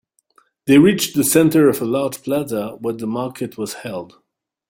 They reached the center of a large plaza where the market was held.